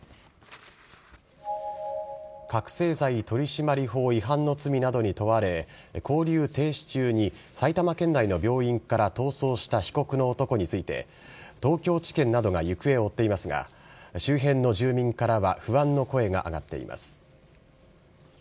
覚せい剤取締法違反の罪などに問われ勾留停止中に埼玉県内の病院から逃走した被告の男について東京地検などは行方を追っていますが周辺の住民からは不安の声が上がっています。